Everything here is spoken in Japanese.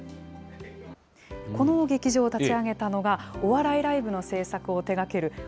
この劇場を立ち上げたのが、お笑いライブの制作を手がける